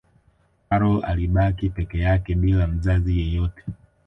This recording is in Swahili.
karol alibaki peke yake bila mzazi yeyote